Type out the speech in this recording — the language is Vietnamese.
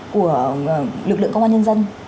của lực lượng công an nhân dân